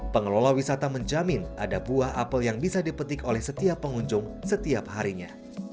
pengelola wisata menjamin ada buah apel yang bisa dipetik oleh setiap pengunjung setiap harinya